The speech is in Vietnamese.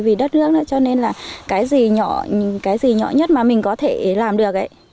vì đất nước nữa cho nên là cái gì nhỏ nhất mà mình có thể làm được